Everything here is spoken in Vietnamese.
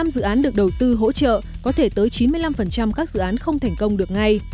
một trăm linh dự án được đầu tư hỗ trợ có thể tới chín mươi năm các dự án không thành công được ngay